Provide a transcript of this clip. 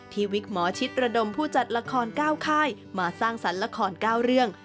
วิกหมอชิดระดมผู้จัดละคร๙ค่ายมาสร้างสรรค์ละคร๙เรื่อง